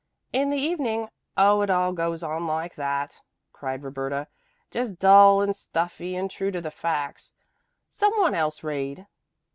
"In the evening Oh it all goes on like that," cried Roberta. "Just dull and stuffy and true to the facts. Some one else read."